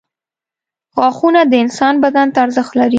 • غاښونه د انسان بدن ته ارزښت لري.